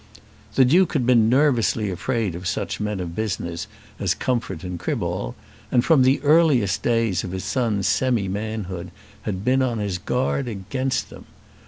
The Duke had been nervously afraid of such men of business as Comfort and Criball, and from the earliest days of his son's semi manhood had been on his guard against them.